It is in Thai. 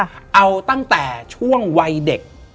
และยินดีต้อนรับทุกท่านเข้าสู่เดือนพฤษภาคมครับ